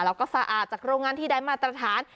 แล้วก็สะอาดจากโรงงานที่ได้มาตรฐาน